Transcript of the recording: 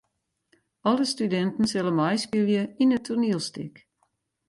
Alle studinten sille meispylje yn it toanielstik.